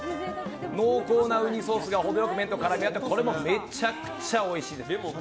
濃厚なウニソースが程良く麺と絡み合ってこれもめちゃくちゃおいしいです。